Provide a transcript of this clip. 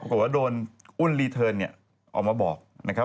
ปรากฏว่าโดนโอนลีเทิร์นออกมาบอกนะครับ